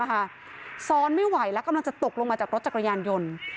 ซ้อนไม่ไหวแล้วกำลังจะตกลงมาจากรถจักรยานยนต์